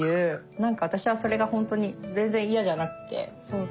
何か私はそれが本当に全然嫌じゃなくてそうそう。